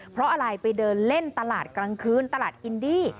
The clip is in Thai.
เพราะอะไรไปเดินเล่นตลาดกลางคืนตลาดอินดี้